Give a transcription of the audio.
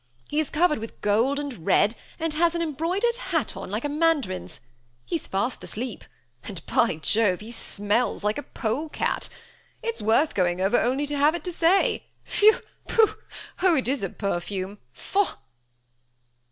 He is covered with gold and red, and has an embroidered hat on like a mandarin's; he's fast asleep; and, by Jove, he smells like a polecat! It's worth going over only to have it to say. Fiew! pooh! oh! It is a perfume. Faugh!"